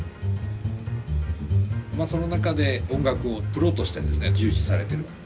まっその中で音楽をプロとしてですね従事されてる。